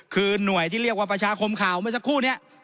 คือหน่วยที่เรียกว่าประชาคมข่าวเมื่อสักครู่นี้